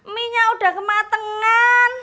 mie nya udah kematangan